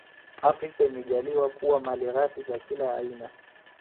Afrika imejaaliwa kuwa malighafi za kila aina